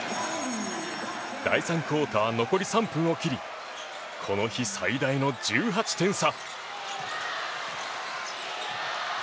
第３クオーター残り１３分を切りこの日、最大の１８点差。